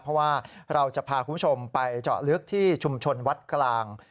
เพราะว่าเราจะพาคุณผู้ชมไปเจาะลึกที่ชุมชนวัดกลาง